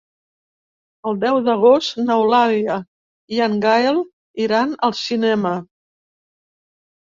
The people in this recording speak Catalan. El deu d'agost n'Eulàlia i en Gaël iran al cinema.